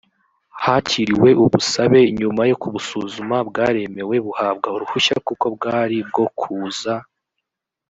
hakiriwe ubusabe nyuma yo kubusuzuma bwaremewe buhabwa uruhushya kuko bwari bwo kuza